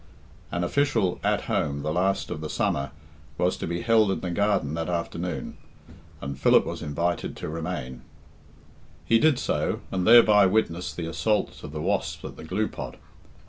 An official "At home," the last of the summer, was to be held in the garden that afternoon, and Philip was invited to remain. He did so, and thereby witnessed the assaults of the wasps at the glue pot.